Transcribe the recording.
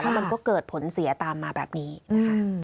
มันก็เกิดผลเสียตามมาแบบนี้นะคะ